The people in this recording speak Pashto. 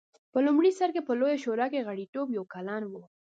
په لومړي سر کې په لویه شورا کې غړیتوب یو کلن و